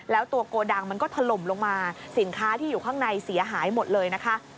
แล้วตัวโกดังมันก็ถล่มลงมาสินค้าที่อยู่ข้างในเสียหายหมดเลยนะคะ